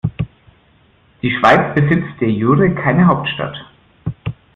Die Schweiz besitzt de jure keine Hauptstadt.